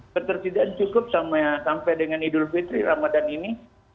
ketersediaan cukup sampai dengan idul fitri ramadan ini